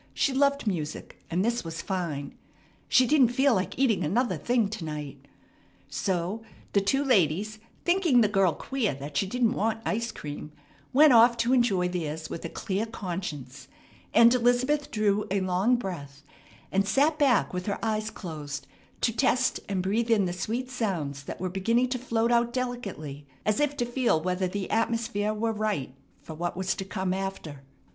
She loved music, and this was fine. She didn't feel like eating another thing to night. So the two ladies, thinking the girl queer that she didn't want ice cream, went off to enjoy theirs with a clear conscience; and Elizabeth drew a long breath, and sat back with her eyes closed, to test and breathe in the sweet sounds that were beginning to float out delicately as if to feel whether the atmosphere were right for what was to come after.